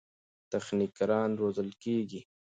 تخنیکران روزل کېږي.